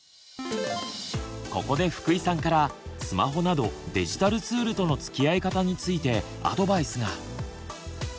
ここで福井さんからスマホなどデジタルツールとのつきあい方についてアドバイスが。